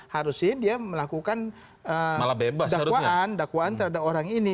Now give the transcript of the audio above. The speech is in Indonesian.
harusnya dia melakukan dakwaan dakwaan terhadap orang ini